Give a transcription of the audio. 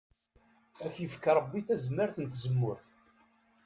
Ad k-yefk Ṛebbi tazmart n tzemmurt.